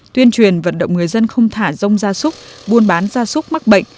tuyên truyền vận động người dân không thả rông gia súc buôn bán gia súc mắc bệnh